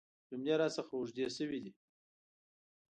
جملې راڅخه اوږدې شوي دي .